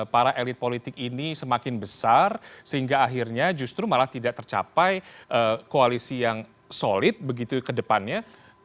para elit politik ini semakin besar sehingga akhirnya justru malah tidak tercapai koalisi yang solid begitu ke depannya